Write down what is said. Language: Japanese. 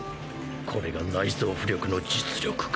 これが内蔵巫力の実力か。